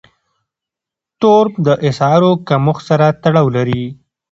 تورم د اسعارو کمښت سره تړاو لري.